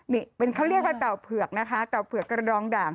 นี่เป็นเขาเรียกว่าเต่าเผือกนะคะเต่าเผือกกระดองด่าง